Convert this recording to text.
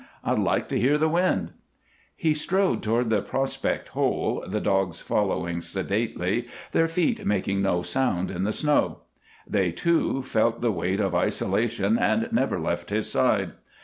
I'd like to hear the wind." He strode toward the prospect hole, the dogs following sedately, their feet making no sound in the snow. They, too, felt the weight of isolation and never left his side.